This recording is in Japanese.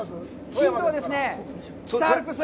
ヒントはですね、北アルプス。